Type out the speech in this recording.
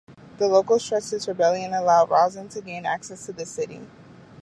The local streltsy's rebellion allowed Razin to gain access to the city.